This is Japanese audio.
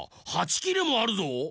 ８きれもあるぞ。